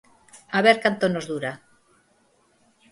A ver canto nos dura.